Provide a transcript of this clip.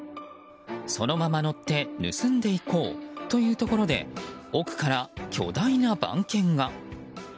そのまま乗って盗んでいこうというところで奥から巨大な番犬が。